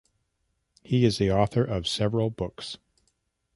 He is the author of several books.